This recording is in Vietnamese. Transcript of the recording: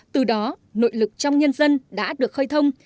từ đó nội lực trong nhân dân đã được khơi thông